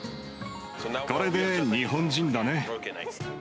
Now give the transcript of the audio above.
これで日本人だね。